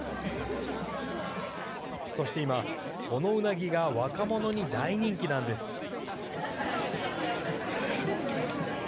そして今、このうなぎが若者に大人気なんです。